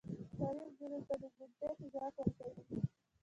تعلیم نجونو ته د منطق ځواک ورکوي.